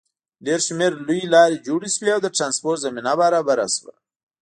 ډېر شمېر لویې لارې جوړې شوې او د ټرانسپورټ زمینه برابره شوه.